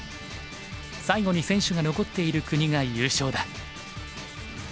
最後に選手が残っている国が優勝だ。